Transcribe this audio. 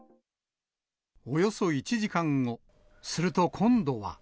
およそ１時間後、すると今度は。